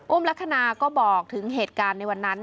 ลักษณะก็บอกถึงเหตุการณ์ในวันนั้น